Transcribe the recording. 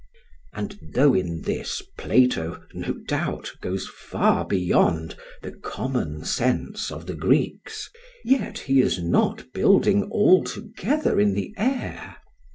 And though in this, Plato, no doubt, goes far beyond the common sense of the Greeks, yet he is not building altogether in the air.